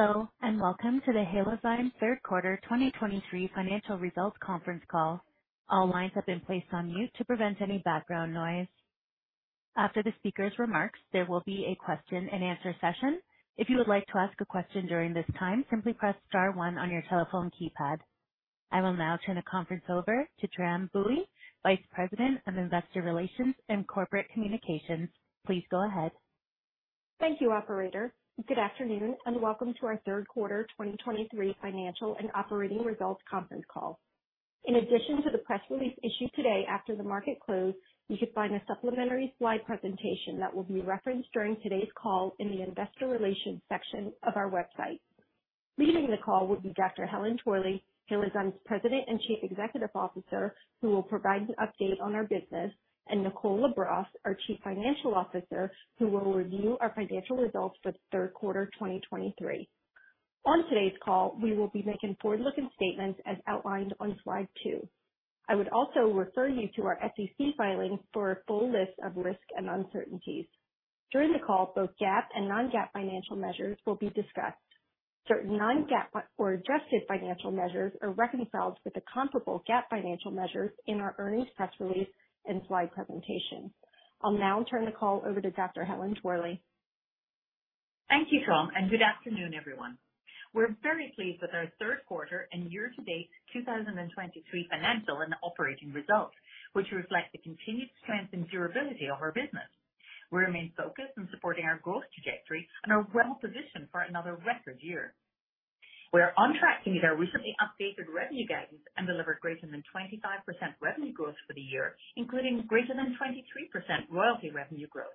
Hello, and welcome to the Halozyme Q3 2023 financial results conference call. All lines have been placed on mute to prevent any background noise. After the speaker's remarks, there will be a question-and-answer session. If you would like to ask a question during this time, simply press star one on your telephone keypad. I will now turn the conference over to Tram Bui, Vice President of Investor Relations and Corporate Communications. Please go ahead. Thank you, operator. Good afternoon, and welcome to our Q3 2023 financial and operating results conference call. In addition to the press release issued today after the market closed, you can find a supplementary slide presentation that will be referenced during today's call in the investor relations section of our website. Leading the call will be Dr. Helen Torley, Halozyme's President and Chief Executive Officer, who will provide an update on our business, and Nicole LaBrosse, our Chief Financial Officer, who will review our financial results for the Q3 2023. On today's call, we will be making forward-looking statements as outlined on slide two. I would also refer you to our SEC filings for a full list of risks and uncertainties. During the call, both GAAP and non-GAAP financial measures will be discussed. Certain non-GAAP or adjusted financial measures are reconciled with the comparable GAAP financial measures in our earnings press release and slide presentation. I'll now turn the call over to Dr. Helen Torley. Thank you, Tram, and good afternoon, everyone. We're very pleased with our Q3 and year-to-date 2023 financial and operating results, which reflect the continued strength and durability of our business. We remain focused on supporting our growth trajectory and we're well positioned for another record year. We are on track to meet our recently updated revenue guidance and delivered greater than 25% revenue growth for the year, including greater than 23% royalty revenue growth.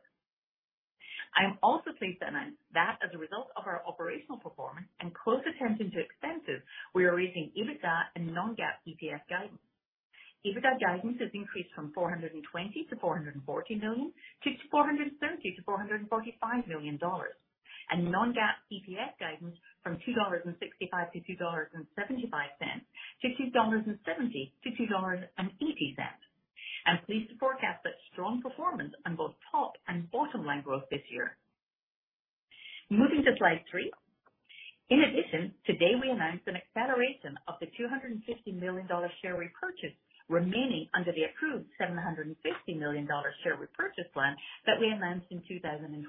I am also pleased to announce that as a result of our operational performance and close attention to expenses, we are raising EBITDA and non-GAAP EPS guidance. EBITDA guidance has increased from $420 million-$440 million to $430 million-$445 million, and non-GAAP EPS guidance from $2.65-$2.75 to $2.70-$2.80. I'm pleased to forecast that strong performance on both top and bottom-line growth this year. Moving to slide three. In addition, today we announced an acceleration of the $250 million share repurchase remaining under the approved $750 million share repurchase plan that we announced in 2021.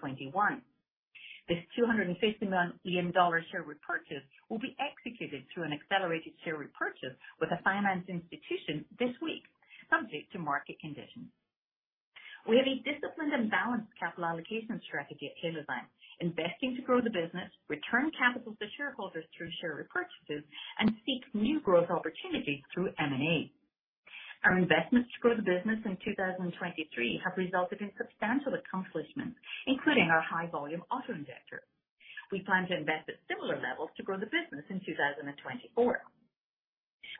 This $250 million share repurchase will be executed through an accelerated share repurchase with a financial institution this week, subject to market conditions. We have a disciplined and balanced capital allocation strategy at Halozyme, investing to grow the business, return capital to shareholders through share repurchases, and seek new growth opportunities through M&A. Our investments to grow the business in 2023 have resulted in substantial accomplishments, including our high-volume auto injector. We plan to invest at similar levels to grow the business in 2024.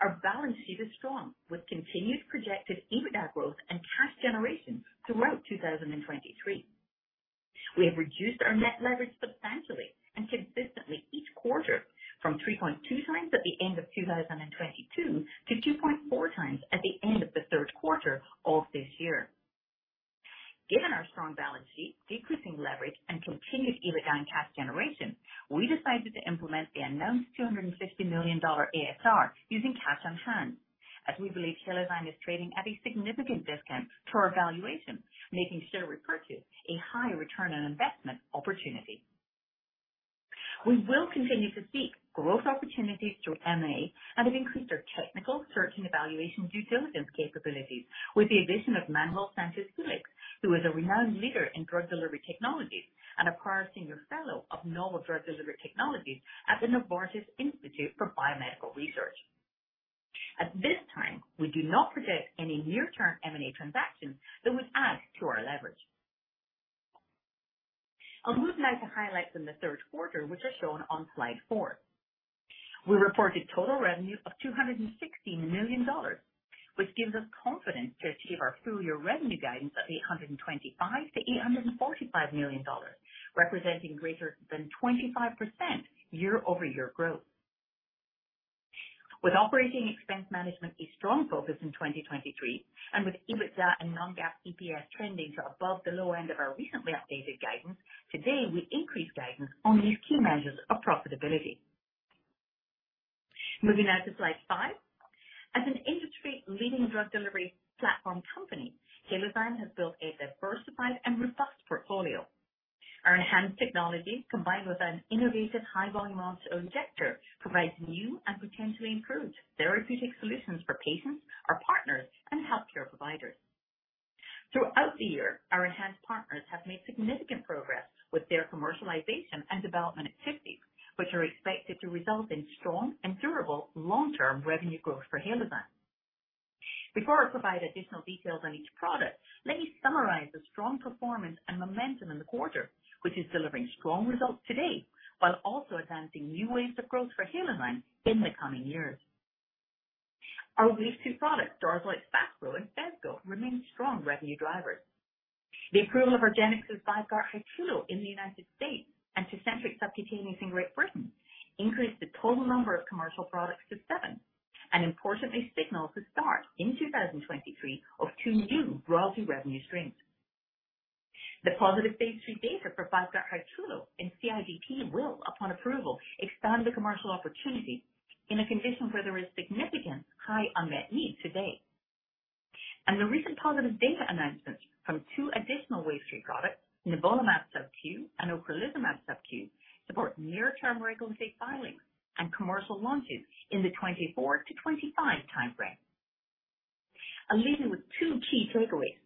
Our balance sheet is strong, with continued projected EBITDA growth and cash generation throughout 2023. We have reduced our net leverage substantially and consistently each quarter from 3.2x at the end of 2022 to 2.4x at the end of the Q3 of this year. Given our strong balance sheet, decreasing leverage, and continued EBITDA and cash generation, we decided to implement the announced $250 million ASR using cash on hand, as we believe Halozyme is trading at a significant discount to our valuation, making share repurchase a high return on investment opportunity. We will continue to seek growth opportunities through M&A and have increased our technical search and evaluation due diligence capabilities with the addition of Manuel Sanchez-Felix, who is a renowned leader in drug delivery technology and a prior senior fellow of Novel Drug Delivery Technologies at the Novartis Institutes for BioMedical Research. At this time, we do not project any near-term M&A transactions that would add to our leverage. I'll move now to highlights in the Q3, which are shown on slide four. We reported total revenue of $260 million, which gives us confidence to achieve our full-year revenue guidance of $825 million-$845 million, representing greater than 25% year-over-year growth. With operating expense management a strong focus in 2023, and with EBITDA and non-GAAP EPS trending above the low end of our recently updated guidance, today, we increased guidance on these key measures of profitability. Moving now to slide five. As an industry-leading drug delivery platform company, Halozyme has built a diversified and robust portfolio. Our enhanced technology, combined with an innovative high-volume auto-injector, provides new and potentially improved therapeutic solutions for patients, our partners, and healthcare providers. Throughout the year, our enhanced partners have made significant progress with their commercialization and development activities, which are expected to result in strong and durable long-term revenue growth for Halozyme. Before I provide additional details on each product, let me summarize the strong performance and momentum in the quarter, which is delivering strong results today while also advancing new waves of growth for Halozyme in the coming years. Our lead two products, DARZALEX FASPRO and PHESGO, remain strong revenue drivers. The approval of argenx's VYVGART Hytrulo in the United States and Tecentriq Subcutaneous in Great Britain increased the total number of commercial products to seven, and importantly, signaled the start in 2023 of two new royalty revenue streams. The positive Phase III data for VYVGART Hytrulo and CIDP will, upon approval, expand the commercial opportunity in a condition where there is significant high unmet need today. The recent positive data announcements from two additional Wave three products, Nivolumab subQ and Ocrelizumab subQ, support near-term regulatory filings and commercial launches in the 2024-2025 time frame. I'll leave you with two key takeaways.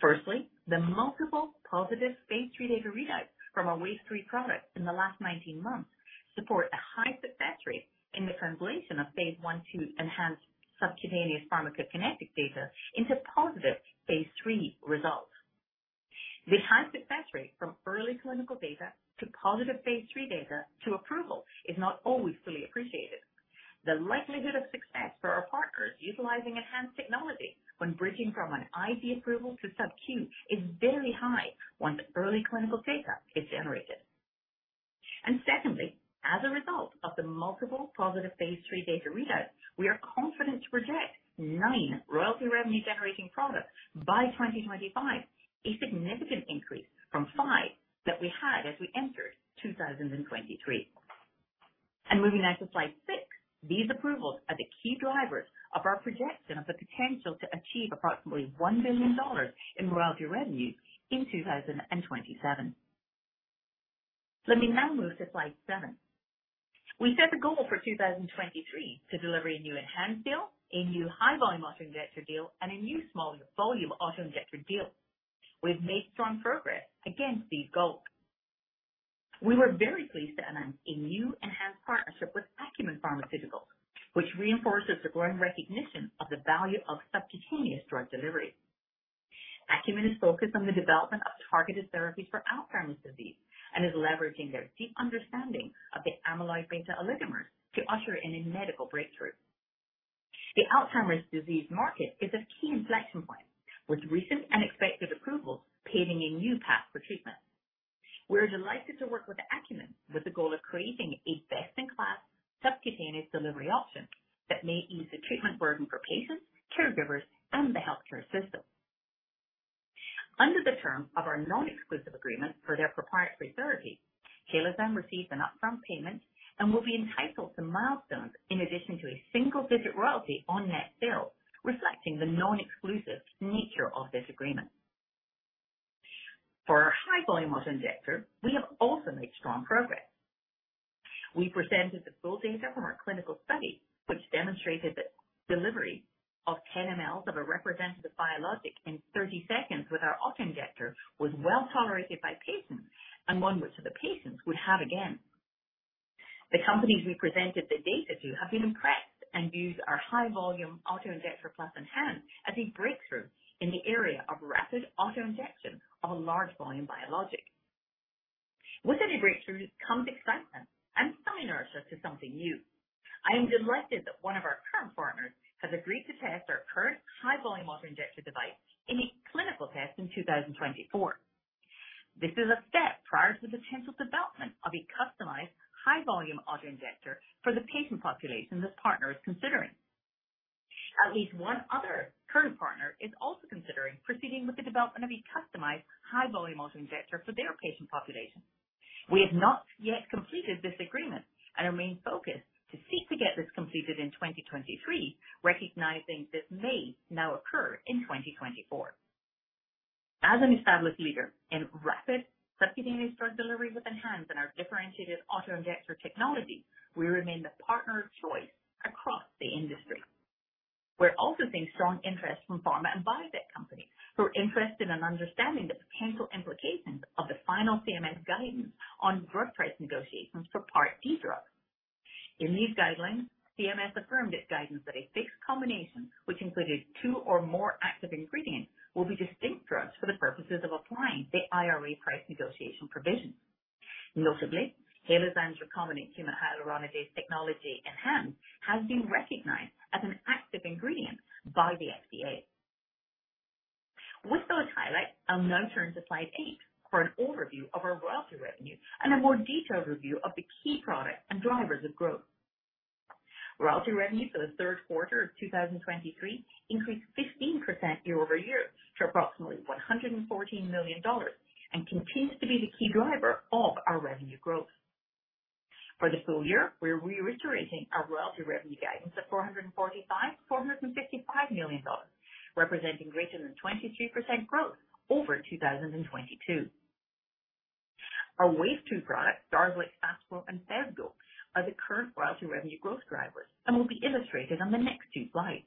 Firstly, the multiple positive Phase III data readouts from our Wave three products in the last 19 months support a high success rate in the translation of Phase I/II enhanced subcutaneous pharmacokinetic data into positive Phase III results. The high success rate from early clinical data to positive Phase III data to approval is not always fully appreciated. The likelihood of success for our partners utilizing enhanced technology when bridging from an IV approval to subQ is very high once early clinical data is generated. Secondly, as a result of the multiple positive Phase III data readouts, we are confident to project nine royalty revenue-generating products by 2025, a significant increase from five that we had as we entered 2023. Moving now to slide six. These approvals are the key drivers of our projection of the potential to achieve approximately $1 billion in royalty revenue in 2027. Let me now move to slide seven. We set the goal for 2023 to deliver a new enhanced deal, a new high-volume auto-injector deal, and a new smaller volume auto-injector deal. We've made strong progress against these goals. We were very pleased to announce a new enhanced partnership with Acumen Pharmaceuticals, which reinforces the growing recognition of the value of subcutaneous drug delivery. Acumen is focused on the development of targeted therapies for Alzheimer's disease and is leveraging their deep understanding of the amyloid beta oligomers to usher in a medical breakthrough. The Alzheimer's disease market is at a key inflection point, with recent and expected approvals paving a new path for treatment. We are delighted to work with Acumen with the goal of creating a best-in-class subcutaneous delivery option that may ease the treatment burden for patients, caregivers, and the healthcare system. Under the terms of our non-exclusive agreement for their proprietary therapy, Halozyme receives an upfront payment and will be entitled to milestones in addition to a single-digit royalty on net sales, reflecting the non-exclusive nature of this agreement. For our high-volume auto-injector, we have also made strong progress. We presented the full data from our clinical study, which demonstrated that delivery of 10 mL of a representative biologic in 30 seconds with our auto-injector was well tolerated by patients and one which the patients would have again. The companies we presented the data to have been impressed and view our high-volume auto-injector plus ENHANZE as a breakthrough in the area of rapid auto-injection of a large volume biologic. With any breakthrough comes excitement and some inertia to something new. I am delighted that one of our current partners has agreed to test our current high-volume auto-injector device in a clinical test in 2024. This is a step prior to the potential development of a customized high-volume auto-injector for the patient population this partner is considering. At least one other current partner is also considering proceeding with the development of a customized high-volume auto-injector for their patient population. We have not yet completed this agreement and remain focused to seek to get this completed in 2023, recognizing this may now occur in 2024. As an established leader in rapid subcutaneous drug delivery with ENHANZE and our differentiated auto-injector technology, we remain the partner of choice across the industry. We're also seeing strong interest from pharma and biotech companies who are interested in understanding the potential implications of the final CMS guidance on drug price negotiations for Part D drugs. In these guidelines, CMS affirmed its guidance that a fixed combination, which included two or more active ingredients, will be distinct drugs for the purposes of applying the IRA price negotiation provision. Notably, Halozyme's recombinant human hyaluronidase technology, ENHANZE, has been recognized as an active ingredient by the FDA. With those highlights, I'll now turn to slide eight for an overview of our royalty revenue and a more detailed review of the key products and drivers of growth. Royalty revenue for the Q3 of 2023 increased 15% year-over-year to approximately $114 million and continues to be the key driver of our revenue growth. For the full year, we're reiterating our royalty revenue guidance of $445 million-$455 million, representing greater than 23% growth over 2022. Our Wave 2 products, DARZALEX FASPRO and PHESGO, are the current royalty revenue growth drivers and will be illustrated on the next two slides.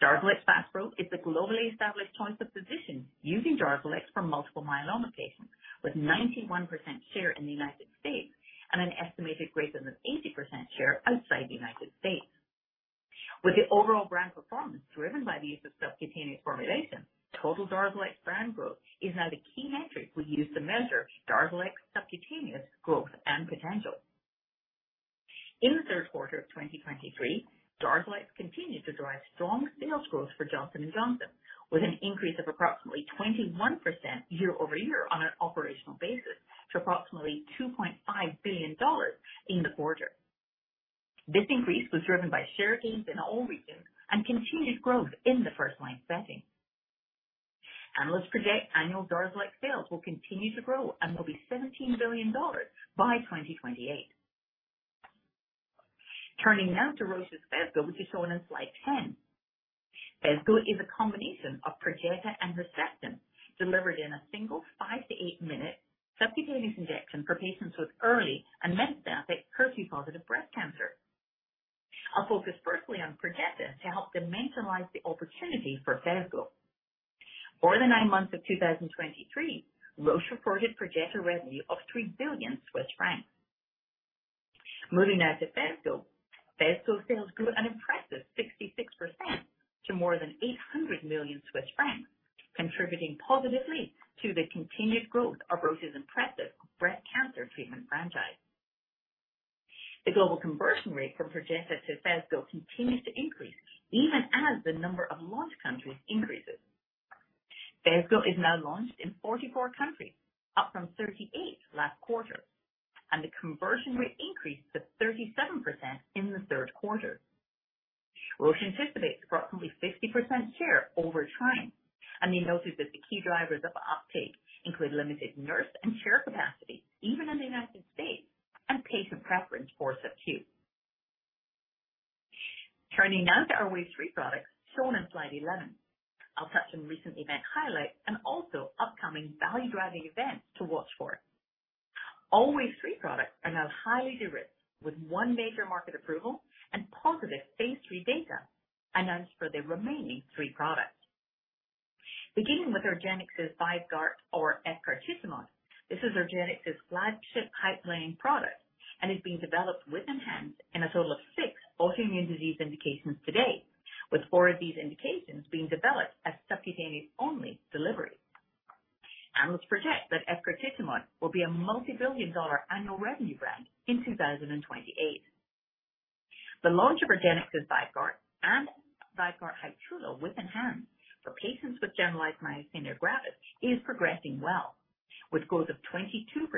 DARZALEX FASPRO is the globally established choice of physicians using DARZALEX for multiple myeloma patients, with 91% share in the United States and an estimated greater than 80% share outside the United States. With the overall brand performance driven by the use of subcutaneous formulation, total DARZALEX brand growth is now the key metric we use to measure DARZALEX subcutaneous growth and potential. In the Q3 of 2023, DARZALEX continued to drive strong sales growth for Johnson & Johnson, with an increase of approximately 21% year-over-year on an operational basis to approximately $2.5 billion in the quarter. This increase was driven by share gains in all regions and continued growth in the first-line setting. Analysts project annual DARZALEX sales will continue to grow and will be $17 billion by 2028. Turning now to Roche's PHESGO, which is shown on slide 10. PHESGO is a combination of Perjeta and Herceptin, delivered in a single five to eight-minute subcutaneous injection for patients with early and metastatic HER2-positive breast cancer. I'll focus firstly on Perjeta to help dimensionalize the opportunity for PHESGO. For the nine months of 2023, Roche reported Perjeta revenue of 3 billion Swiss francs. Moving now to PHESGO, PHESGO sales grew an impressive 66% to more than 800 million Swiss francs, contributing positively to the continued growth of Roche's impressive breast cancer treatment franchise. The global conversion rate from Perjeta to PHESGO continues to increase, even as the number of launched countries increases. PHESGO is now launched in 44 countries, up from 38 last quarter, and the conversion rate increased to 37% in the Q3. Roche anticipates approximately 50% share over time, and they noted that the key drivers of uptake include limited nurse and share capacity, even in the United States, and patient preference for subQ. Turning now to our Wave-three products shown on slide 11. I'll touch on recent event highlights and also upcoming value-driving events to watch for. All Wave 3 products are now highly de-risked, with one major market approval and positive Phase III data announced for the remaining three products. Beginning with argenx's VYVGART, or efgartigimod, this is argenx's flagship pipeline product and is being developed with ENHANZE in a total of six autoimmune disease indications to date, with four of these indications being developed as subcutaneous-only delivery. Analysts project that efgartigimod will be a multi-billion dollar annual revenue brand in 2028. The launch of argenx's VYVGART and VYVGART Hytrulo with ENHANZE for patients with generalized myasthenia gravis is progressing well, with growth of 22%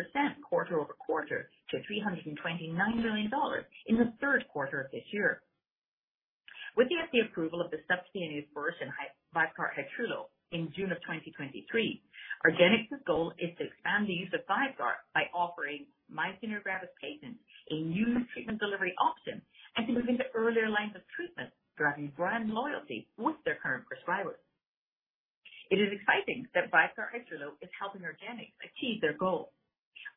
quarter-over-quarter to $329 million in the Q3 of this year. With the FDA approval of the subcutaneous version, VYVGART Hytrulo, in June of 2023, argenx's goal is to expand the use of VYVGART by offering myasthenia gravis patients a new treatment delivery option and to move into earlier lines of treatment, driving brand loyalty with their current prescribers. It is exciting that VYVGART Hytrulo is helping argenx achieve their goal.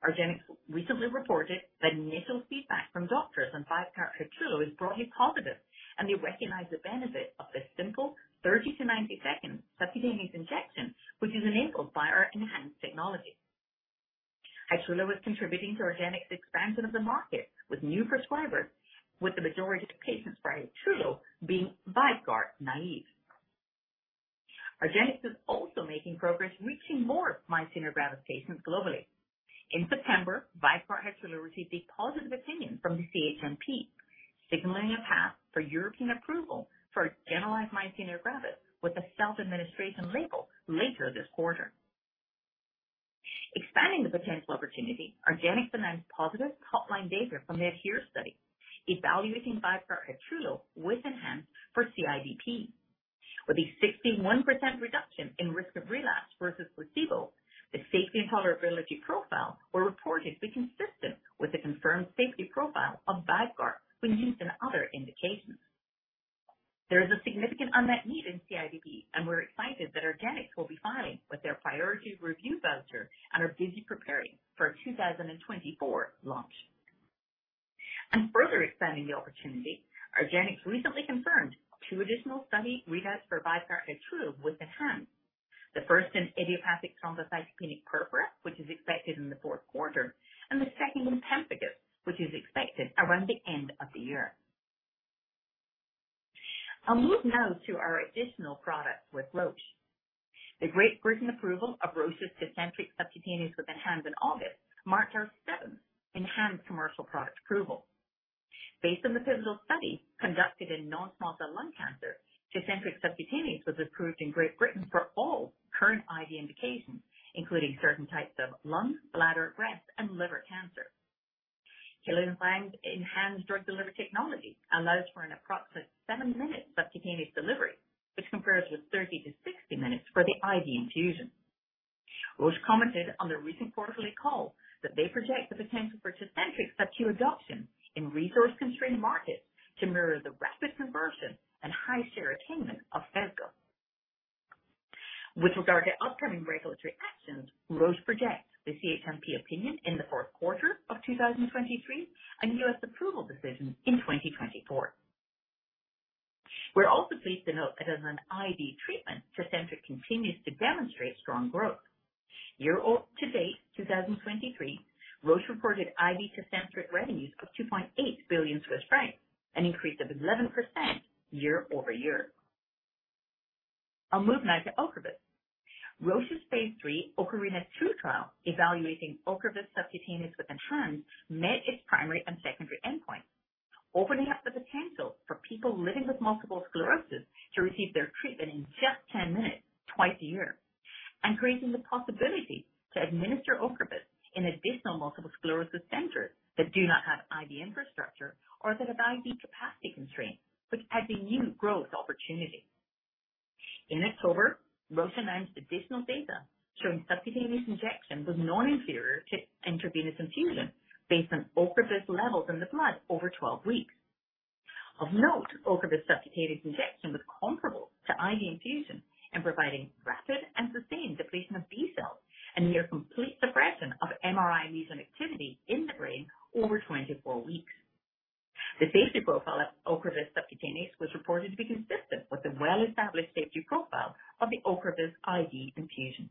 Argenx recently reported that initial feedback from doctors on VYVGART Hytrulo is broadly positive, and they recognize the benefit of this simple 30- to 90-second subcutaneous injection, which is enabled by our ENHANZE technology. Hytrulo is contributing to argenx's expansion of the market, with new prescribers, with the majority of patients for VYVGART Hytrulo being VYVGART naive. Argenx is also making progress reaching more myasthenia gravis patients globally. In September, VYVGART Hytrulo received a positive opinion from the CHMP, signaling a path for European approval for generalized myasthenia gravis with a self-administration label later this quarter. Expanding the potential opportunity, argenx announced positive top-line data from the ADHERE study, evaluating VYVGART Hytrulo with ENHANZE for CIDP. With a 61% reduction in risk of relapse versus placebo, the safety and tolerability profile were reportedly consistent with the confirmed safety profile of VYVGART when used in other indications. There is a significant unmet need in CIDP, and we're excited that argenx will be filing with their priority review voucher and are busy preparing for a 2024 launch. Further expanding the opportunity, argenx recently confirmed two additional study readouts for VYVGART Hytrulo with ENHANZE. The first in idiopathic thrombocytopenic purpura, which is expected in the Q4, and the second in pemphigus, which is expected around the end of the year. I'll move now to our additional products with Roche. The Great Britain approval of Roche's Tecentriq subcutaneous with ENHANZE in August marked our seventh ENHANZE commercial product approval. Based on the pivotal study conducted in non-small cell lung cancer, Tecentriq subcutaneous was approved in Great Britain for all current IV indications, including certain types of lung, bladder, breast, and liver cancer. Halozyme's ENHANZE drug delivery technology allows for an approximate 7-minute subcutaneous delivery, which compares with 30-60 minutes for the IV infusion. Roche commented on the recent quarterly call that they project the potential for Tecentriq subcu adoption in resource-constrained markets to mirror the rapid conversion and high share attainment of PHESGO. With regard to upcoming regulatory actions, Roche projects the CHMP opinion in the Q4 of 2023 and U.S. approval decision in 2024. We're also pleased to note that as an IV treatment, Tecentriq continues to demonstrate strong growth. Year to date, 2023, Roche reported IV Tecentriq revenues of 2.8 billion Swiss francs, an increase of 11% year-over-year. I'll move now to OCREVUS. Roche's Phase III OCARINA II trial, evaluating OCREVUS subcutaneous with ENHANZE, met its primary and secondary endpoint, opening up the potential for people living with multiple sclerosis to receive their treatment in just 10 minutes twice a year. creating the possibility to administer OCREVUS in additional multiple sclerosis centers that do not have IV infrastructure or that have IV capacity constraints, which adds a new growth opportunity. In October, Roche announced additional data showing subcutaneous injection was non-inferior to intravenous infusion based on OCREVUS levels in the blood over 12 weeks. Of note, OCREVUS subcutaneous injection was comparable to IV infusion in providing rapid and sustained depletion of B-cells and near complete suppression of MRI lesion activity in the brain over 24 weeks. The safety profile of OCREVUS subcutaneous was reported to be consistent with the well-established safety profile of the OCREVUS IV infusion.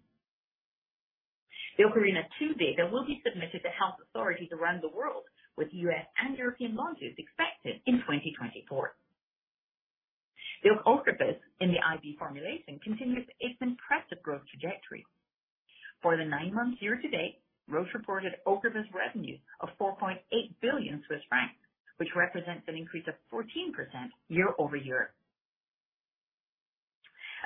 The OCARINA II data will be submitted to health authorities around the world, with U.S. and European launches expected in 2024. The OCREVUS in the IV formulation continues its impressive growth trajectory. For the nine months year to date, Roche reported OCREVUS revenue of 4.8 billion Swiss francs, which represents an increase of 14% year-over-year.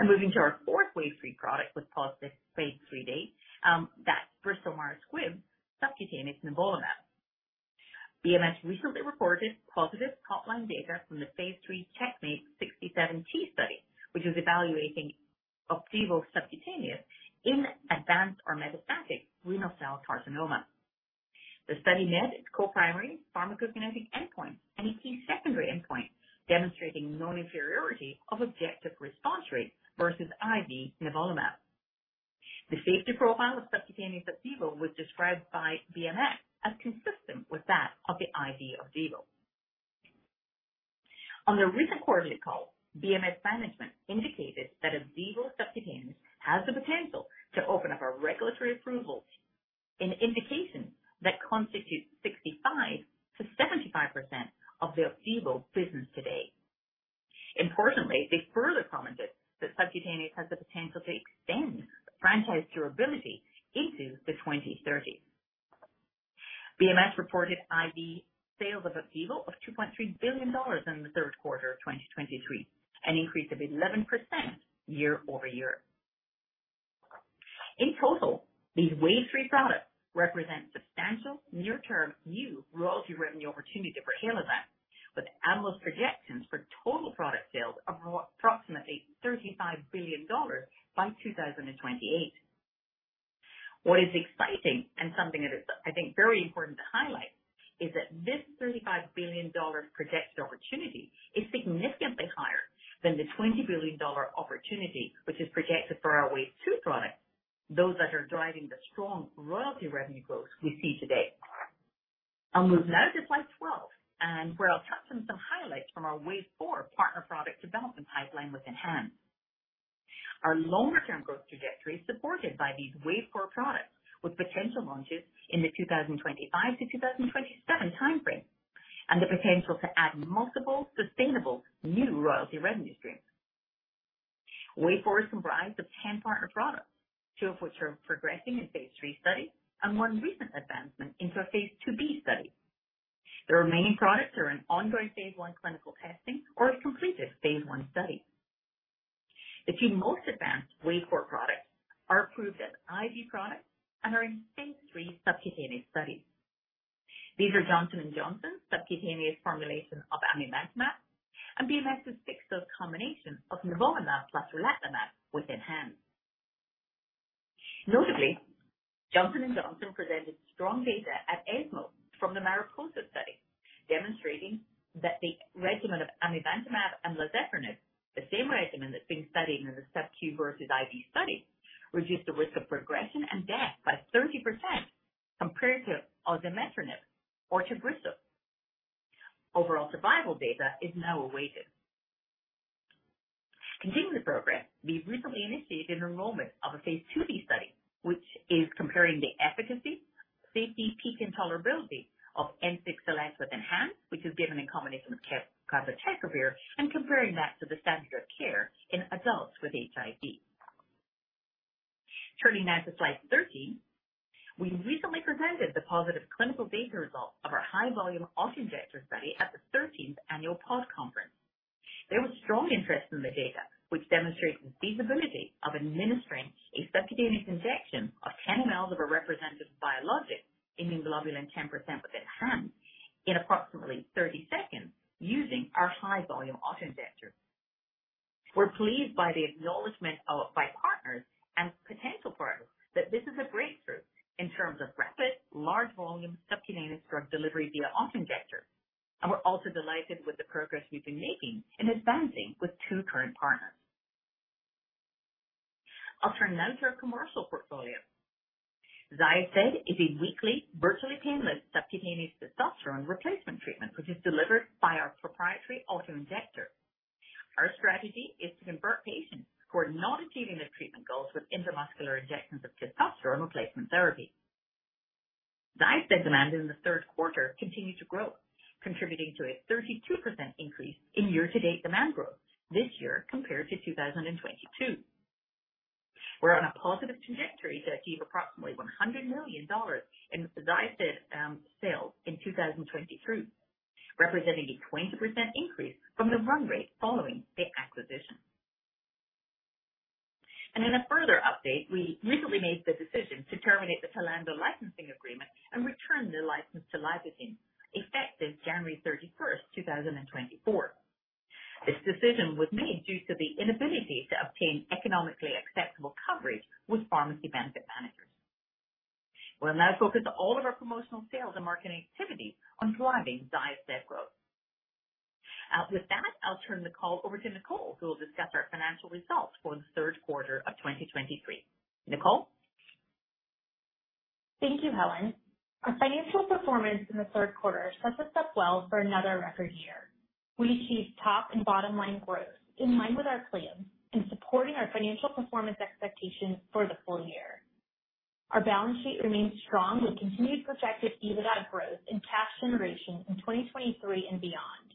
Moving to our fourth wave three product with positive Phase III data, that's Bristol-Myers Squibb, subcutaneous nivolumab. BMS recently reported positive top-line data from the Phase III CheckMate-67T study, which is evaluating Opdivo subcutaneous in advanced or metastatic renal cell carcinoma. The study met its co-primary pharmacokinetic endpoint and a key secondary endpoint, demonstrating non-inferiority of objective response rate versus IV nivolumab. The safety profile of subcutaneous Opdivo was described by BMS as consistent with that of the IV Opdivo. On the recent quarterly call, BMS management indicated that Opdivo subcutaneous has the potential to open up our regulatory approvals in indications that constitute 65%-75% of the Opdivo business today. Importantly, they further commented that subcutaneous has the potential to extend the franchise durability into the 2030s. BMS reported IV sales of Opdivo of $2.3 billion in the Q3 of 2023, an increase of 11% year-over-year. In total, these wave three products represent substantial near-term new royalty revenue opportunity for Halozyme, with analyst projections for total product sales of approximately $35 billion by 2028. What is exciting, and something that is I think, very important to highlight, is that this $35 billion projected opportunity is significantly higher than the $20 billion opportunity, which is projected for our wave two products, those that are driving the strong royalty revenue growth we see today. I'll move now to slide 12, and where I'll touch on some highlights from our wave four partner product development pipeline with ENHANZE. Our longer-term growth trajectory is supported by these wave four products, with potential launches in the 2025-2027 time frame, and the potential to add multiple, sustainable, new royalty revenue streams. Wave four comprise of 10 partner products, two of which are progressing in Phase III studies and one recent advancement into a Phase IIb study. The remaining products are in ongoing Phase I clinical testing or have completed Phase I study. The two most advanced wave four products are approved as IV products and are in Phase III subcutaneous studies. These are Johnson & Johnson's subcutaneous formulation of amivantamab and BMS's fixed-dose combination of nivolumab plus relatimab with ENHANZE. Notably, Johnson & Johnson presented strong data at ESMO from the Mariposa study, demonstrating that the regimen of amivantamab and lazertinib, the same regimen that's being studied in the subQ versus IV study, reduced the risk of progression and death by 30% compared to osimertinib or Tagrisso. Overall survival data is now awaited. Continuing the program, we've recently initiated enrollment of a Phase II B study, which is comparing the efficacy, safety, PK, and tolerability of N6LS with ENHANZE, which is given in combination with cabotegravir, and comparing that to the standard of care in adults with HIV. Turning now to slide 13. We recently presented the positive clinical data results of our high-volume autoinjector study at the 13th Annual PODD Conference. There was strong interest in the data, which demonstrates the feasibility of administering a subcutaneous injection of 10 mL of a representative biologic, immunoglobulin 10% with ENHANZE, in approximately 30 seconds using our high-volume autoinjector. We're pleased by the acknowledgment by our partners and potential partners that this is a breakthrough in terms of rapid, large volume, subcutaneous drug delivery via autoinjector, and we're also delighted with the progress we've been making in advancing with two current partners. I'll turn now to our commercial portfolio. XYOSTED is a weekly, virtually painless, subcutaneous testosterone replacement treatment, which is delivered by our proprietary autoinjector. Our strategy is to convert patients who are not achieving their treatment goals with intramuscular injections of testosterone replacement therapy. XYOSTED demand in the Q3 continued to grow, contributing to a 32% increase in year-to-date demand growth this year compared to 2022. We're on a positive trajectory to achieve approximately $100 million in XYOSTED sales in 2023, representing a 20% increase from the run rate following the acquisition. In a further update, we recently made the decision to terminate the TLANDO licensing agreement and return the license to Lipocine, effective January 31st, 2024. This decision was made due to the inability to obtain economically acceptable coverage with pharmacy benefit managers. We'll now focus all of our promotional sales and marketing activities on driving XYOSTED growth. With that, I'll turn the call over to Nicole, who will discuss our financial results for the Q3 of 2023. Nicole? Thank you, Helen. Our financial performance in the Q3 sets us up well for another record year. We achieved top and bottom-line growth in line with our plans and supporting our financial performance expectations for the full year. Our balance sheet remains strong, with continued prospective EBITDA growth and cash generation in 2023 and beyond.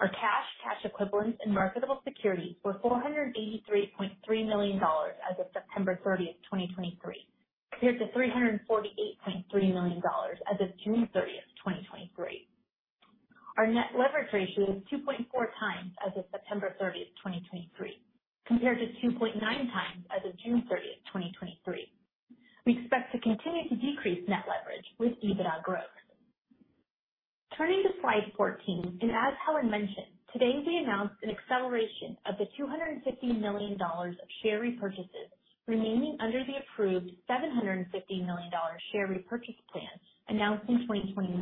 Our cash, cash equivalents, and marketable securities were $483.3 million as of September 30th, 2023, compared to $348.3 million as of June 30th, 2023. Our net leverage ratio is 2.4x as of September 30th, 2023, compared to 2.9x as of June 30th, 2023. We expect to continue to decrease net leverage with EBITDA growth. Turning to slide 14, and as Helen mentioned, today we announced an acceleration of $250 million of share repurchases remaining under the approved $750 million share repurchase plan announced in 2021.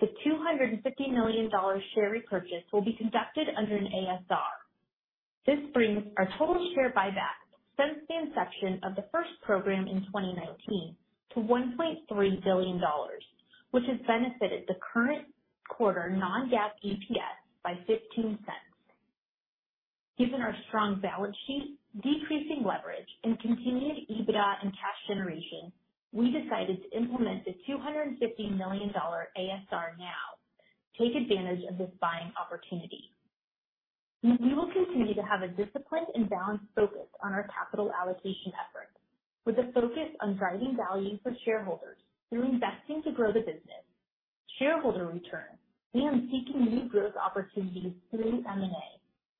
The $250 million share repurchase will be conducted under an ASR. This brings our total share buyback since the inception of the first program in 2019 to $1.3 billion, which has benefited the current quarter non-GAAP EPS by $0.15. Given our strong balance sheet, decreasing leverage, and continued EBITDA and cash generation, we decided to implement the $250 million ASR now to take advantage of this buying opportunity. We will continue to have a disciplined and balanced focus on our capital allocation efforts, with a focus on driving value for shareholders through investing to grow the business, shareholder return, and seeking new growth opportunities through M&A,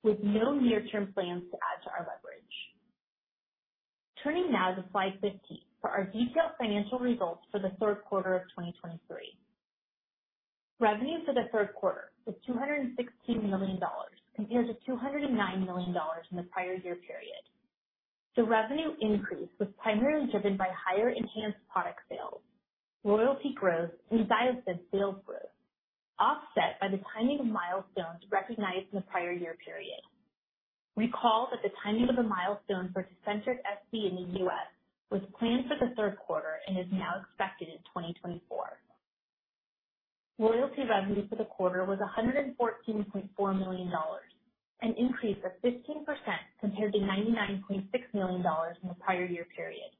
with no near-term plans to add to our leverage. Turning now to slide 15 for our detailed financial results for the Q3 of 2023. Revenue for the Q3 was $216 million, compared to $209 million in the prior year period. The revenue increase was primarily driven by higher ENHANZE product sales, royalty growth, and XYOSTED sales growth, offset by the timing of milestones recognized in the prior year period. Recall that the timing of the milestone for Tecentriq SC in the U.S. was planned for the Q3 and is now expected in 2024. Royalty revenue for the quarter was $114.4 million, an increase of 15% compared to $99.6 million in the prior year period,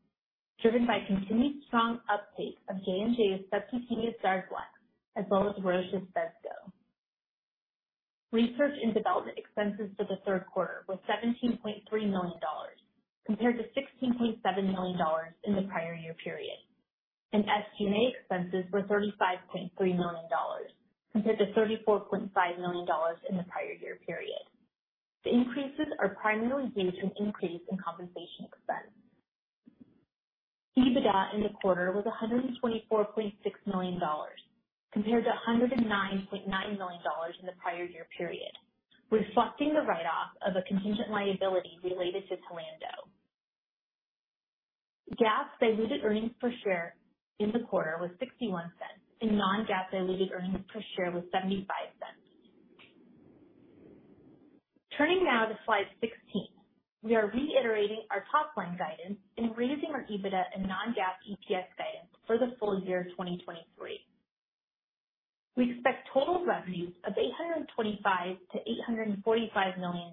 driven by continued strong uptake of J&J's subcutaneous DARZALEX, as well as Roche's PHESGO. Research and development expenses for the Q3 was $17.3 million, compared to $16.7 million in the prior year period. SG&A expenses were $35.3 million, compared to $34.5 million in the prior year period. The increases are primarily due to an increase in compensation expense. EBITDA in the quarter was $124.6 million, compared to $109.9 million in the prior year period, reflecting the write-off of a contingent liability related to TLANDO. GAAP diluted earnings per share in the quarter was $0.61, and non-GAAP diluted earnings per share was $0.75. Turning now to slide 16. We are reiterating our top-line guidance and raising our EBITDA and non-GAAP EPS guidance for the full year 2023. We expect total revenues of $825 million-$845 million,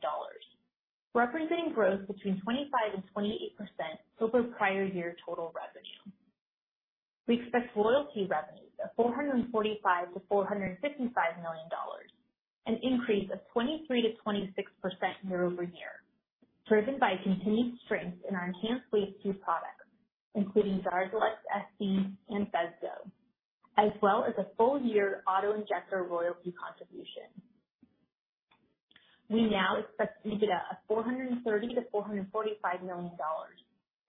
representing growth between 25%-28% over prior year total revenue. We expect royalty revenues of $445 million-$455 million, an increase of 23%-26% year-over-year, driven by continued strength in our ENHANZE products, including DARZALEX SC and Phesgo, as well as a full-year auto-injector royalty contribution. We now expect EBITDA of $430 million-$445 million,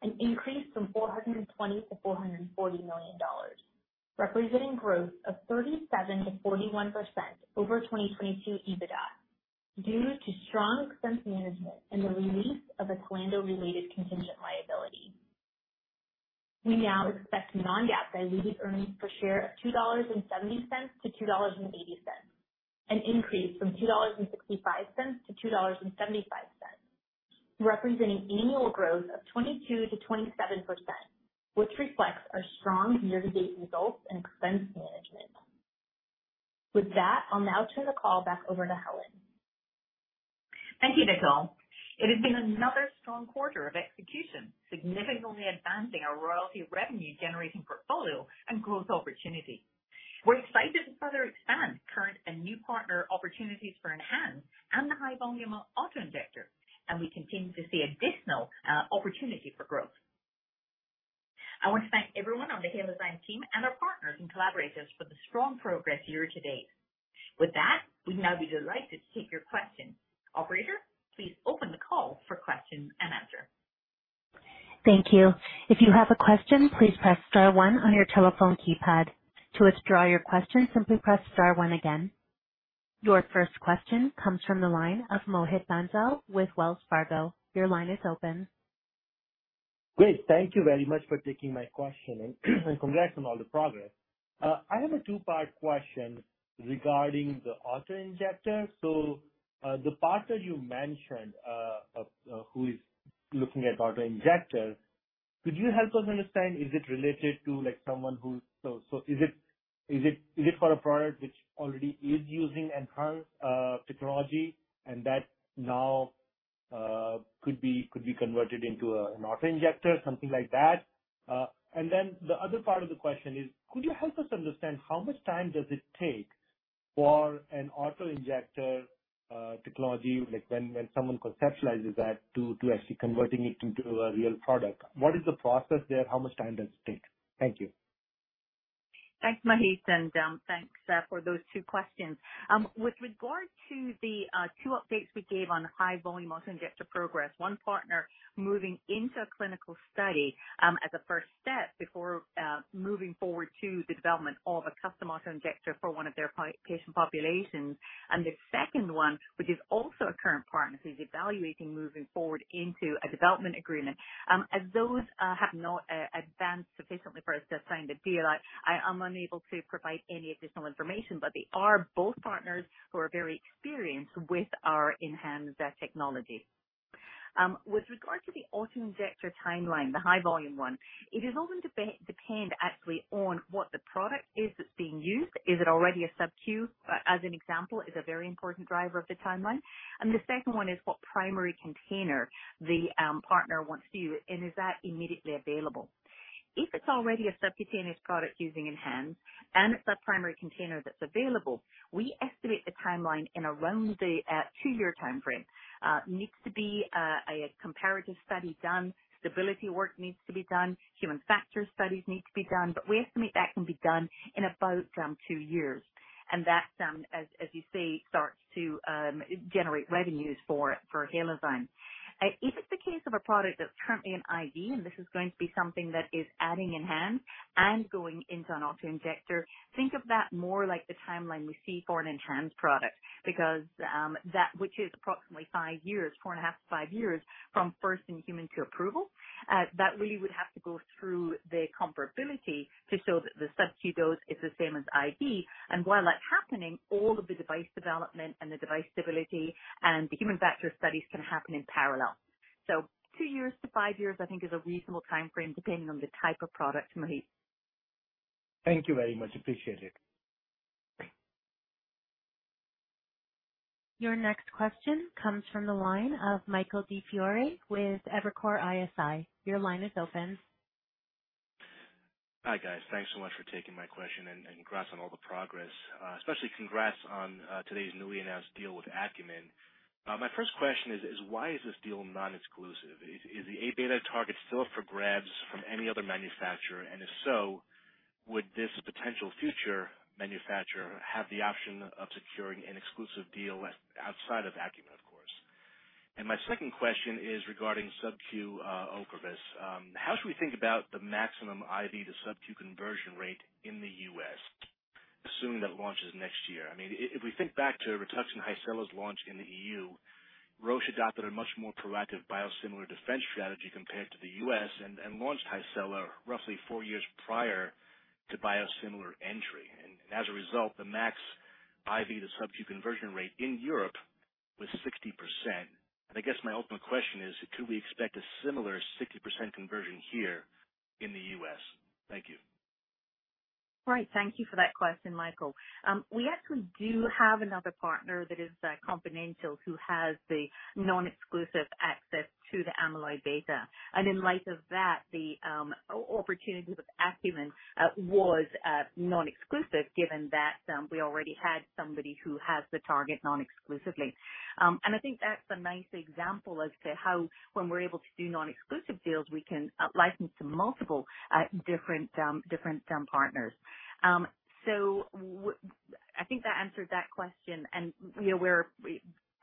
an increase from $420 million-$440 million, representing growth of 37%-41% over 2022 EBITDA, due to strong expense management and the release of a TLANDO-related contingent liability. We now expect non-GAAP diluted earnings per share of $2.70-$2.80, an increase from $2.65-$2.75, representing annual growth of 22%-27%, which reflects our strong year-to-date results and expense management. With that, I'll now turn the call back over to Helen. Thank you, Nicole. It has been another strong quarter of execution, significantly advancing our royalty revenue-generating portfolio and growth opportunity. We're excited to further expand current and new partner opportunities for ENHANZE and the high-volume auto-injector, and we continue to see additional opportunity for growth. I want to thank everyone on the Halozyme team and our partners and collaborators for the strong progress year to date. With that, we'd now be delighted to take your questions. Operator, please open the call for question and answer. Thank you. If you have a question, please press star one on your telephone keypad. To withdraw your question, simply press star one again. Your first question comes from the line of Mohit Bansal with Wells Fargo. Your line is open. Great. Thank you very much for taking my question, and congrats on all the progress. I have a two-part question regarding the auto-injector. So, the partner you mentioned, or who is looking at auto-injector, could you help us understand, is it related to, like, someone who—so, is it for a product which already is using enhanced technology and that now could be converted into an auto-injector, something like that? And then the other part of the question is, could you help us understand how much time does it take for an auto-injector technology, like, when someone conceptualizes that, to actually converting it into a real product? What is the process there? How much time does it take? Thank you. Thanks, Mohit, and thanks for those two questions. With regard to the two updates we gave on the high-volume auto-injector progress, one partner moving into a clinical study as a first step before moving forward to the development of a custom auto-injector for one of their patient populations. And the second one, which is also a current partner, who's evaluating moving forward into a development agreement. As those have not advanced sufficiently for us to sign the deal, I am unable to provide any additional information, but they are both partners who are very experienced with our enhanced technology. With regard to the auto-injector timeline, the high volume one, it is going to depend actually on what the product is that's being used. Is it already a subQ? As an example, is a very important driver of the timeline. And the second one is what primary container the partner wants to use, and is that immediately available? If it's already a subcutaneous product using ENHANZE and a subprimary container that's available, we estimate the timeline in around the two-year timeframe. Needs to be a comparative study done, stability work needs to be done, human factor studies need to be done, but we estimate that can be done in about two years. And that, as you see, starts to generate revenues for Halozyme. If it's the case of a product that's currently in IV, and this is going to be something that is adding ENHANZE and going into an auto-injector, think of that more like the timeline we see for an ENHANZE product, because, that, which is approximately five years, 4.5-5 years, from first in human to approval. That really would have to go through the comparability to show that the subQ dose is the same as IV. And while that's happening, all of the device development and the device stability and the human factor studies can happen in parallel. So two to five years, I think, is a reasonable timeframe, depending on the type of product, Mohit. Thank you very much. Appreciate it. Your next question comes from the line of Michael DiFiore with Evercore ISI. Your line is open. Hi, guys. Thanks so much for taking my question, and congrats on all the progress. Especially congrats on today's newly announced deal with Acumen. My first question is, why is this deal non-exclusive? Is the a-beta target still up for grabs from any other manufacturer? And if so, would this potential future manufacturer have the option of securing an exclusive deal outside of Acumen, of course? And my second question is regarding subQ OCREVUS. How should we think about the maximum IV to subQ conversion rate in the U.S., assuming that launches next year? I mean, if we think back to Rituxan Hycela's launch in the EU, Roche adopted a much more proactive biosimilar defense strategy compared to the U.S. and launched Hycela roughly four years prior to biosimilar entry. As a result, the max IV to subQ conversion rate in Europe was 60%. I guess my ultimate question is: could we expect a similar 60% conversion here in the U.S.? Thank you. Right. Thank you for that question, Michael. We actually do have another partner that is confidential, who has the non-exclusive access to the amyloid beta. And in light of that, the opportunity with Acumen was non-exclusive, given that we already had somebody who has the target non-exclusively. And I think that's a nice example as to how, when we're able to do non-exclusive deals, we can license to multiple different partners. So I think that answered that question, and, you know,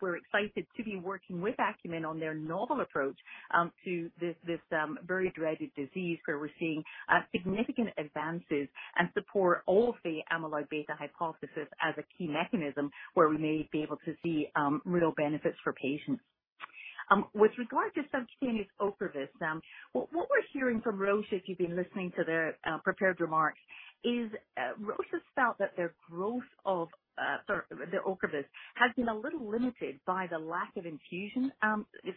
we're excited to be working with Acumen on their novel approach to this very dreaded disease, where we're seeing significant advances and support all of the amyloid beta hypothesis as a key mechanism where we may be able to see real benefits for patients. With regard to subcutaneous OCREVUS, what we're hearing from Roche, if you've been listening to their prepared remarks, is Roche has felt that their growth of their OCREVUS has been a little limited by the lack of infusion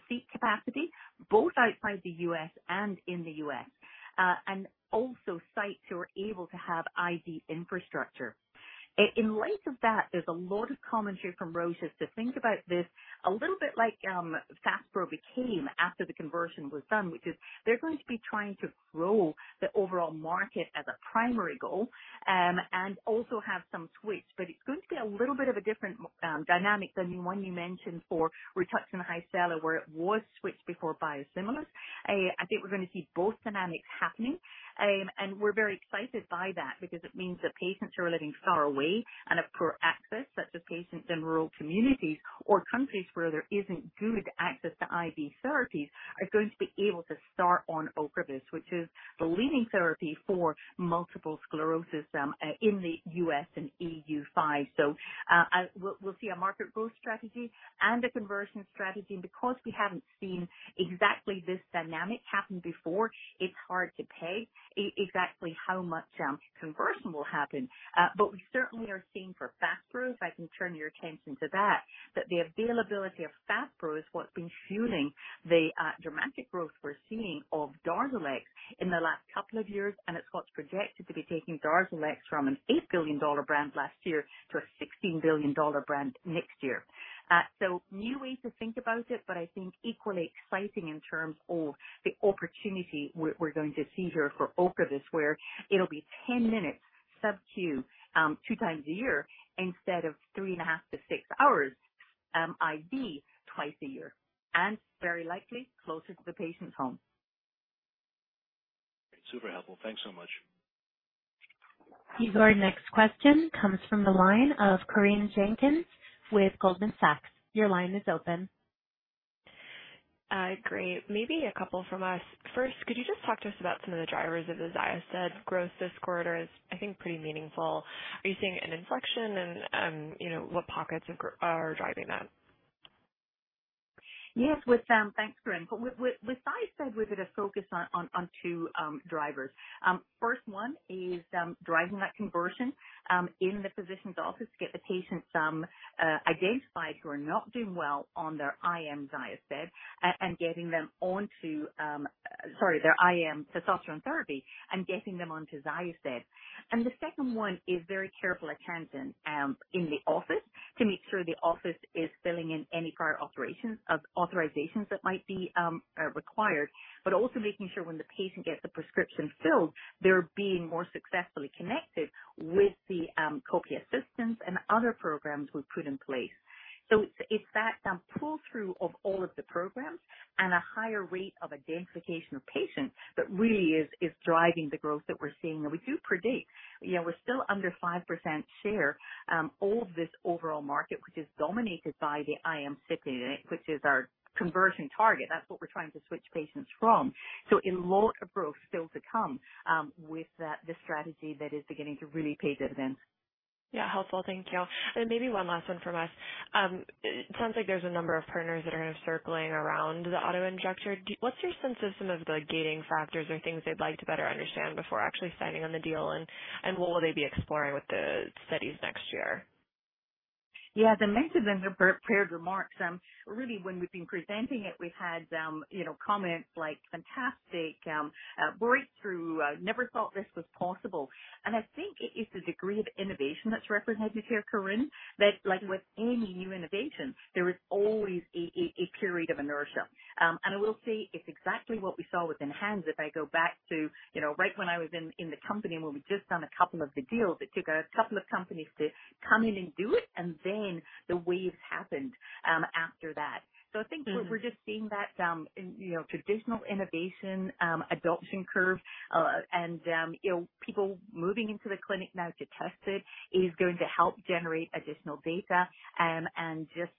seat capacity, both outside the U.S. and in the U.S., and also sites who are able to have IV infrastructure. In light of that, there's a lot of commentary from Roche to think about this a little bit like FASPRO became after the conversion was done, which is they're going to be trying to grow the overall market as a primary goal, and also have some switch. But it's going to be a little bit of a different dynamic than the one you mentioned for Rituxan Hycela, where it was switched before biosimilars. I think we're going to see both dynamics happening. We're very excited by that because it means that patients who are living far away and have poor access, such as patients in rural communities or countries where there isn't good access to IV therapies, are going to be able to start on OCREVUS, which is the leading therapy for multiple sclerosis in the U.S. and EU5. So, we'll see a market growth strategy and a conversion strategy, and because we haven't seen exactly this dynamic happen before, it's hard to say exactly how much conversion will happen. But we certainly are seeing for FASPRO, if I can turn your attention to that, that the availability of FASPRO is what's been fueling the dramatic growth we're seeing of DARZALEX in the last couple of years. And it's what's projected to be taking DARZALEX from an $8 billion brand last year to a $16 billion brand next year. So new way to think about it, but I think equally exciting in terms of the opportunity we're going to see here for OCREVUS, where it'll be 10 minutes sub Q, two times a year, instead of 3.5-6 hours IV twice a year, and very likely closer to the patient's home. Super helpful. Thanks so much. Your next question comes from the line of Corinne Jenkins with Goldman Sachs. Your line is open. Great. Maybe a couple from us. First, could you just talk to us about some of the drivers of the XYOSTED growth this quarter is, I think, pretty meaningful. Are you seeing an inflection and, you know, what pockets of growth are driving that? Yes, with -- thanks, Corinne. With XYOSTED, we did a focus on two drivers. First one is driving that conversion in the physician's office to get the patients identified who are not doing well on their IM XYOSTED and getting them onto, sorry, their IM testosterone therapy and getting them onto XYOSTED. And the second one is very careful attention in the office to make sure the office is filling in any prior authorizations that might be required. But also making sure when the patient gets the prescription filled, they're being more successfully connected with the copay assistance and other programs we've put in place. So it's that pull-through of all of the programs and a higher rate of identification of patients that really is driving the growth that we're seeing. And we do predict, you know, we're still under 5% share of this overall market, which is dominated by the IM therapy, which is our conversion target. That's what we're trying to switch patients from. So a lot of growth still to come with that, the strategy that is beginning to really pay dividends. Yeah, helpful. Thank you. Maybe one last one from us. It sounds like there's a number of partners that are kind of circling around the auto injector. What's your sense of some of the gating factors or things they'd like to better understand before actually signing on the deal? And what will they be exploring with the studies next year? Yeah, as I mentioned in the pre-prepared remarks, really, when we've been presenting it, we've had, you know, comments like, "Fantastic, breakthrough. I never thought this was possible." And I think it is the degree of innovation that's represented here, Corinne, that, like with any new innovation, there is always a period of inertia. And we'll see it's exactly what we saw with ENHANZE. If I go back to, you know, right when I was in the company and when we'd just done a couple of the deals, it took a couple of companies to come in and do it, and then the wave happened, after that. So I think we're just seeing that, you know, traditional innovation adoption curve, and you know, people moving into the clinic now to test it is going to help generate additional data. And just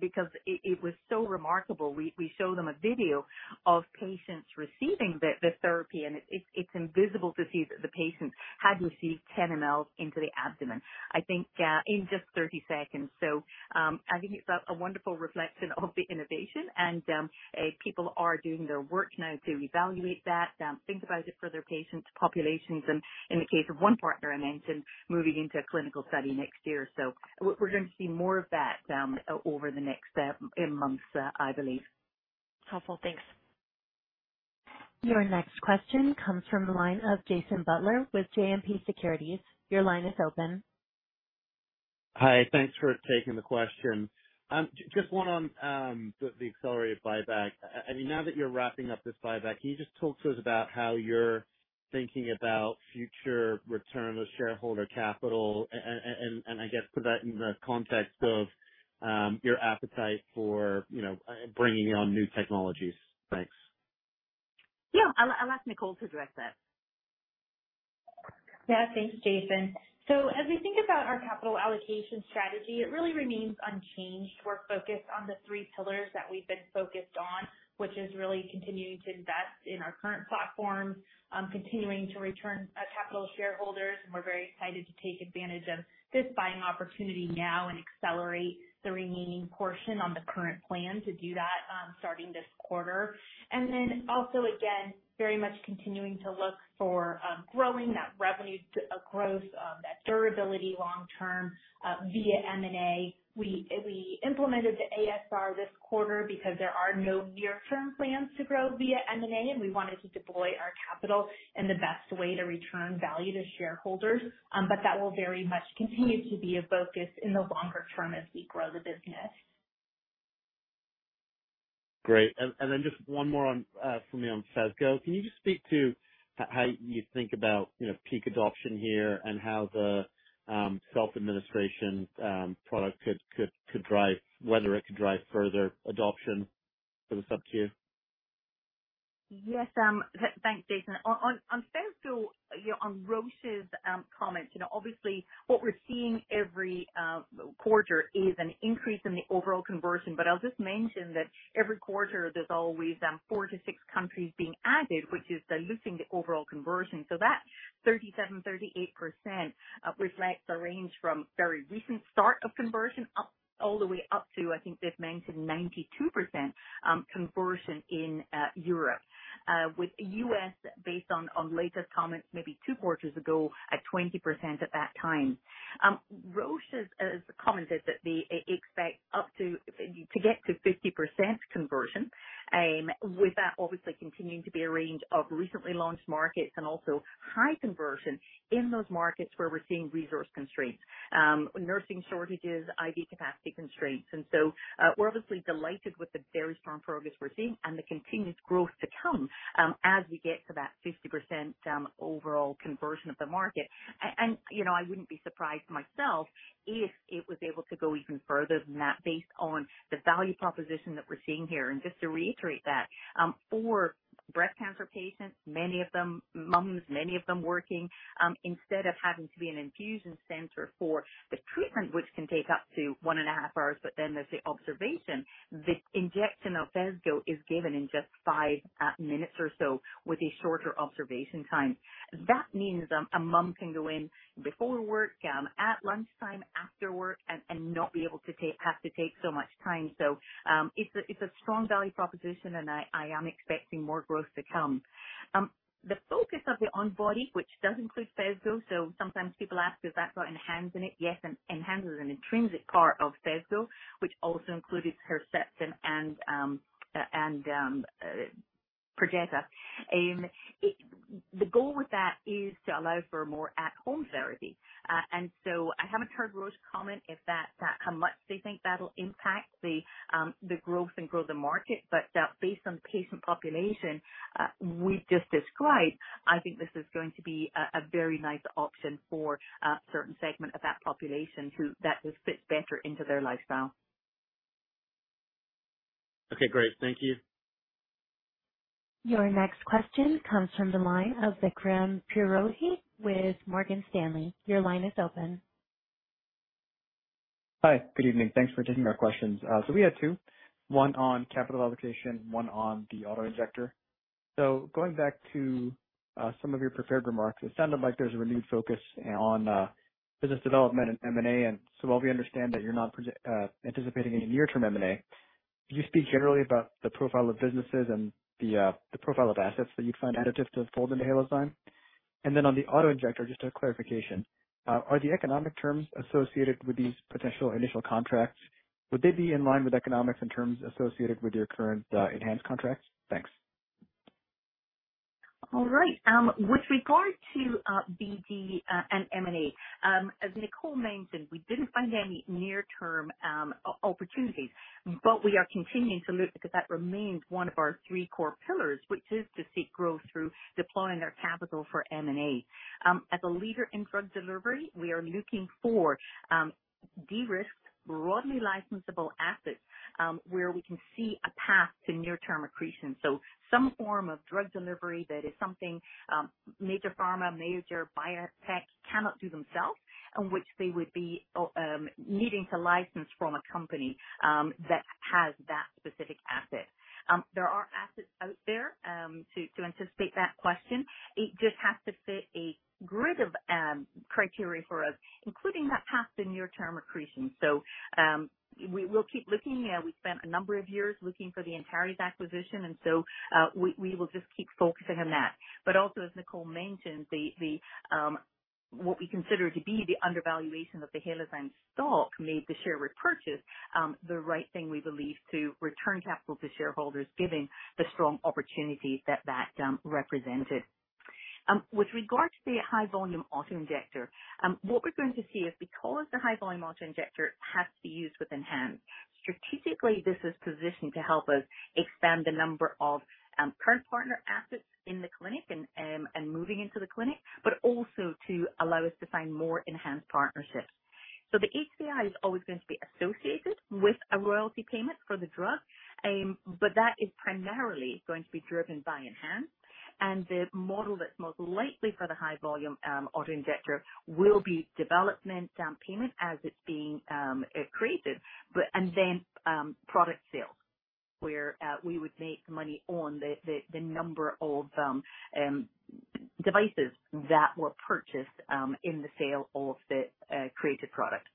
because it was so remarkable, we showed them a video of patients receiving the therapy, and it's invisible to see that the patient had received 10 mL into the abdomen, I think, in just 30 seconds. So I think it's a wonderful reflection of the innovation, and people are doing their work now to evaluate that, think about it for their patients' populations, and in the case of one partner I mentioned, moving into a clinical study next year. So we're going to see more of that, over the next months, I believe. Helpful. Thanks. Your next question comes from the line of Jason Butler with JMP Securities. Your line is open. Hi, thanks for taking the question. Just one on the accelerated buyback. I mean, now that you're wrapping up this buyback, can you just talk to us about how you're thinking about future return of shareholder capital and I guess put that in the context of your appetite for, you know, bringing on new technologies? Thanks. Yeah, I'll ask Nicole to address that. Yeah. Thanks, Jason. So as we think about our capital allocation strategy, it really remains unchanged. We're focused on the three pillars that we've been focused on, which is really continuing to invest in our current platforms, continuing to return capital to shareholders, and we're very excited to take advantage of this buying opportunity now and accelerate the remaining portion on the current plan to do that, starting this quarter. And then also, again, very much continuing to look for growing that revenue growth that durability long term via M&A. We implemented the ASR this quarter because there are no near-term plans to grow via M&A, and we wanted to deploy our capital in the best way to return value to shareholders. But that will very much continue to be a focus in the longer term as we grow the business. Great. Then just one more for me on PHESGO. Can you just speak to how you think about, you know, peak adoption here and how the self-administration product could drive -- whether it could drive further adoption for the subcu? Yes, thanks, Jason. On PHESGO, you know, on Roche's comments, you know, obviously, what we're seeing every quarter is an increase in the overall conversion. But I'll just mention that every quarter there's always 4-6 countries being added, which is diluting the overall conversion. So that 37%-38% reflects a range from very recent start of conversion up, all the way up to, I think they've mentioned 92% conversion in Europe. With U.S. based on latest comments maybe two quarters ago, at 20% at that time. Roche has commented that they expect up to get to 50% conversion. With that obviously continuing to be a range of recently launched markets and also high conversion in those markets where we're seeing resource constraints, nursing shortages, IV capacity constraints. And so, we're obviously delighted with the very strong progress we're seeing and the continuous growth to come, as we get to that 50% overall conversion of the market. And, you know, I wouldn't be surprised myself if it was able to go even further than that, based on the value proposition that we're seeing here. And just to reiterate that, for breast cancer patients, many of them moms, many of them working, instead of having to be an infusion center for the treatment, which can take up to one and a half hours, but then there's the observation. The injection of PHESGO is given in just five minutes or so, with a shorter observation time. That means a mom can go in before work, at lunchtime, after work, and not have to take so much time. So, it's a strong value proposition, and I am expecting more growth to come. The focus of the On-Body, which does include PHESGO, so sometimes people ask, "Is that got ENHANZE in it?" Yes, ENHANZE is an intrinsic part of PHESGO, which also included Herceptin and Perjeta. The goal with that is to allow for more at-home therapy. And so I haven't heard Roche comment if that – how much they think that'll impact the growth of market. But, based on the patient population we just described, I think this is going to be a very nice option for a certain segment of that population who that will fit better into their lifestyle. Okay, great. Thank you. Your next question comes from the line of Vikram Purohit with Morgan Stanley. Your line is open. Hi. Good evening. Thanks for taking our questions. So we had two, one on capital allocation, one on the auto-injector. So going back to some of your prepared remarks, it sounded like there's a renewed focus on business development and M&A. And so while we understand that you're not anticipating any near-term M&A, could you speak generally about the profile of businesses and the profile of assets that you'd find additive to fold into Halozyme? And then on the auto-injector, just a clarification, are the economic terms associated with these potential initial contracts in line with economics and terms associated with your current ENHANZE contracts? Thanks. All right. With regard to BD and M&A, as Nicole mentioned, we didn't find any near-term opportunities, but we are continuing to look because that remains one of our three core pillars, which is to seek growth through deploying our capital for M&A. As a leader in drug delivery, we are looking for de-risked, broadly licensable assets, where we can see a path to near-term accretion. So some form of drug delivery that is something major pharma, major biotech cannot do themselves, and which they would be needing to license from a company that has that specific asset. There are assets out there to anticipate that question. It just has to fit a grid of criteria for us, including that path to near-term accretion. So, we'll keep looking. We spent a number of years looking for the Antares acquisition, and so, we will just keep focusing on that. But also, as Nicole mentioned, what we consider to be the undervaluation of the Halozyme stock made the share repurchase the right thing, we believe, to return capital to shareholders, given the strong opportunity that that represented. With regard to the high-volume auto-injector, what we're going to see is because the high-volume auto-injector has to be used with ENHANZE, strategically this is positioned to help us expand the number of current partner assets in the clinic and moving into the clinic, but also to allow us to find more ENHANZE partnerships. So the HVI is always going to be associated with a royalty payment for the drug. But that is primarily going to be driven by ENHANZE. And the model that's most likely for the high-volume auto injector will be development payment as it's being created. But then, product sales, where we would make money on the number of devices that were purchased in the sale of the created product.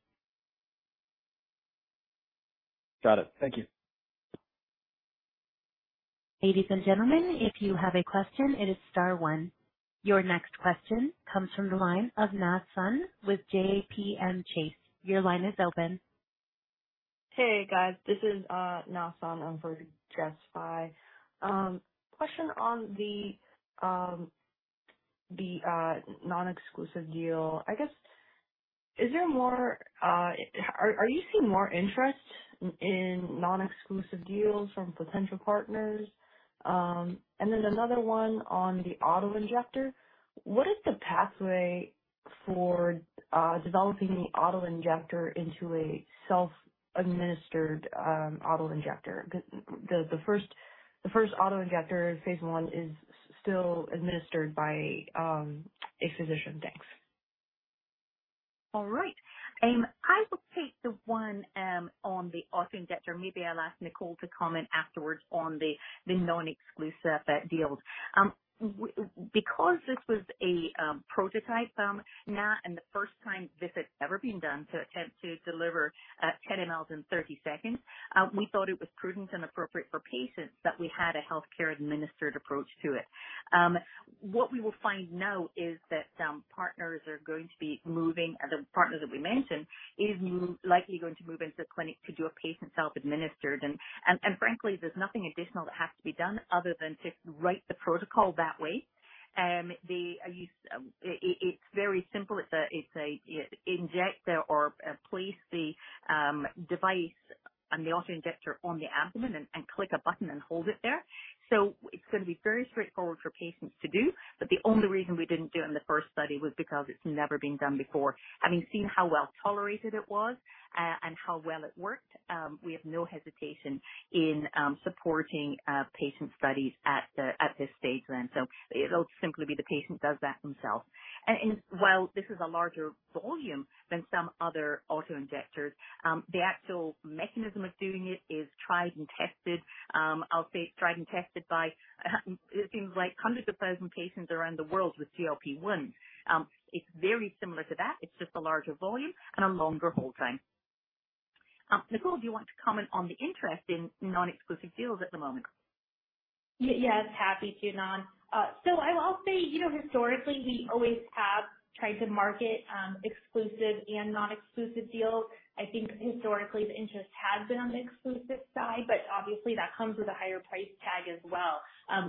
Got it. Thank you. Ladies and gentlemen, if you have a question, it is star one. Your next question comes from the line of Na Sun with J.P. Morgan. Your line is open. Hey, guys, this is Na Sun for Jessica Fye. Question on the non-exclusive deal. I guess... Is there more, are you seeing more interest in non-exclusive deals from potential partners? And then another one on the auto-injector. What is the pathway for developing the auto-injector into a self-administered auto-injector? The first auto-injector, Phase I, is still administered by a physician. Thanks. All right. I will take the one on the auto-injector. Maybe I'll ask Nicole to comment afterwards on the non-exclusive deals. Because this was a prototype, and the first time this had ever been done to attempt to deliver 10 mL in 30 seconds, we thought it was prudent and appropriate for patients that we had a healthcare administered approach to it. What we will find now is that partners are going to be moving, the partner that we mentioned, is likely going to move into the clinic to do a patient self-administered. And frankly, there's nothing additional that has to be done other than to write the protocol that way. It, it's very simple. It's inject or place the device and the auto-injector on the abdomen and click a button and hold it there. So it's going to be very straightforward for patients to do. But the only reason we didn't do it in the first study was because it's never been done before. Having seen how well tolerated it was and how well it worked, we have no hesitation in supporting patient studies at this stage then. So it'll simply be the patient does that himself. And while this is a larger volume than some other auto-injectors, the actual mechanism of doing it is tried and tested. I'll say tried and tested by it seems like hundreds of thousand patients around the world with GLP-1. It's very similar to that. It's just a larger volume and a longer hold time. Nicole, do you want to comment on the interest in non-exclusive deals at the moment? Yes, happy to, Na. So I'll say, you know, historically, we always have tried to market exclusive and non-exclusive deals. I think historically the interest has been on the exclusive side, but obviously that comes with a higher price tag as well.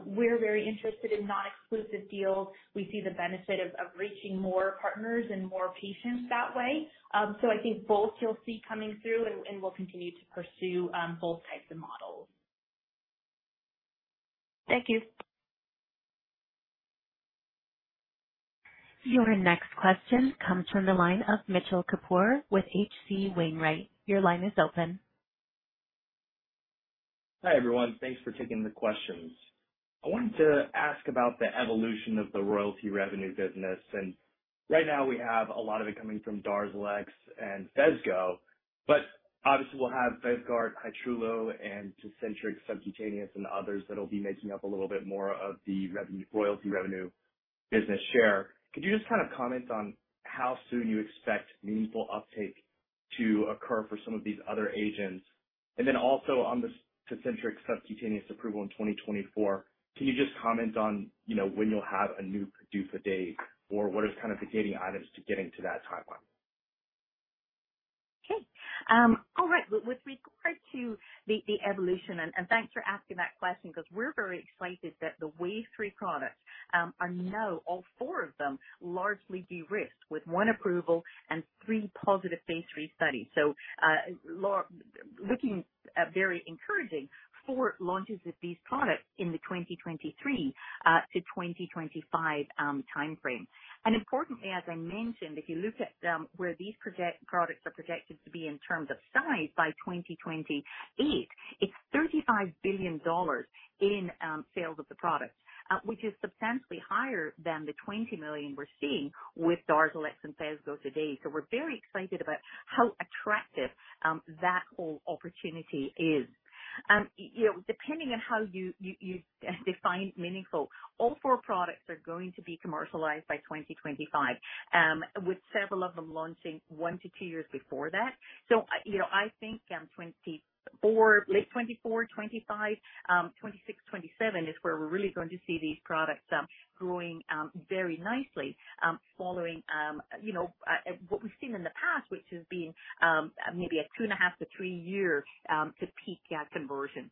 We're very interested in non-exclusive deals. We see the benefit of reaching more partners and more patients that way. So I think both you'll see coming through, and we'll continue to pursue both types of models. Thank you. Your next question comes from the line of Mitchell Kapoor with H.C. Wainwright. Your line is open. Hi, everyone. Thanks for taking the questions. I wanted to ask about the evolution of the royalty revenue business, and right now we have a lot of it coming from DARZALEX and VYVGART, but obviously, we'll have VYVGART, VYVGART Hytrulo, and Tecentriq subcutaneous and others that'll be making up a little bit more of the revenue, royalty revenue business share. Could you just kind of comment on how soon you expect meaningful uptake to occur for some of these other agents? And then also on the Tecentriq subcutaneous approval in 2024, can you just comment on, you know, when you'll have a new PDUFA date, or what is kind of the gating items to getting to that timeline? Okay. All right. With regard to the evolution, thanks for asking that question, because we're very excited that the wave three products are now, all four of them, largely de-risked, with one approval and three positive Phase III studies. Looking very encouraging for launches of these products in the 2023 to 2025 timeframe. And importantly, as I mentioned, if you look at where these products are projected to be in terms of size by 2028, it's $35 billion in sales of the product, which is substantially higher than the $20 million we're seeing with DARZALEX and PHESGO today. So we're very excited about how attractive that whole opportunity is. You know, depending on how you define meaningful, all four products are going to be commercialized by 2025, with several of them launching one to two years before that. So, you know, I think, 2024, late 2024, 2025, 2026, 2027 is where we're really going to see these products growing very nicely, following, you know, what we've seen in the past, which has to, maybe a 2.5 to three years to peak conversion.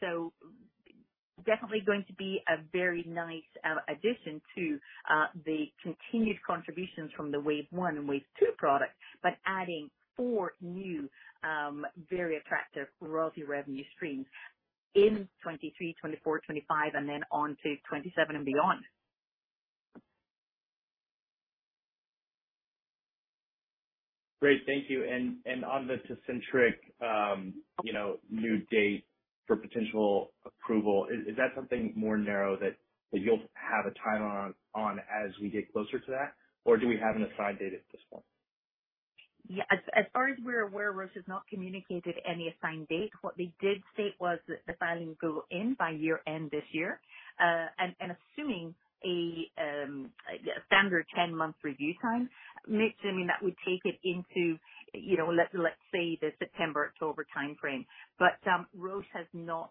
So definitely going to be a very nice addition to the continued contributions from the wave one and wave two products, but adding four new very attractive royalty revenue streams in 2023, 2024, 2025, and then on to 2027 and beyond. Great. Thank you. And on the Tecentriq, you know, new date for potential approval, is that something more narrow that you'll have a timeline on as we get closer to that? Or do we have an assigned date at this point? Yeah. As far as we're aware, Roche has not communicated any assigned date. What they did state was that the filings go in by year-end this year. And assuming a standard 10-month review time, Mitch, I mean, that would take it into, you know, let's say, the September-October timeframe. But Roche has not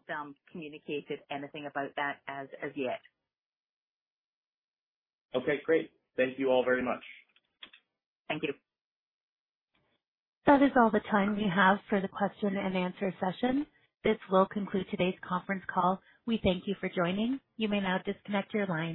communicated anything about that as yet. Okay, great. Thank you all very much. Thank you. That is all the time we have for the question and answer session. This will conclude today's conference call. We thank you for joining. You may now disconnect your lines.